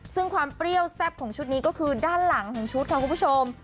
ซึ่งความเปรี้ยวแซ่บของชุดนี้ก็คือด้านหลังของชุดค่ะคุณผู้ชม